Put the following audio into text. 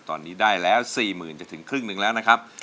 ตอนนี้ได้แล้ว๔๐๐๐จนถึงครึ่งหนึ่งแล้วนะครับ